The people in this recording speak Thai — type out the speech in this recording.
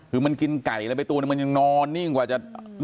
คือมันกินไก่อะไรไปตัวนึงมันยังนอนนิ่งกว่าจะ